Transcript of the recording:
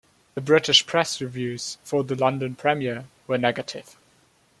The British press reviews for the London premiere were negative.